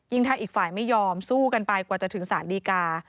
ถ้าอีกฝ่ายไม่ยอมสู้กันไปกว่าจะถึงสารดีกา